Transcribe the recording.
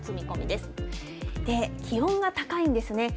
で、気温が高いんですね。